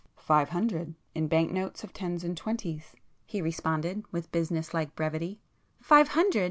"Five hundred, in bank notes of tens and twenties,"—he responded with business like brevity. "Five hundred!